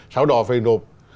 sau đó phải nộp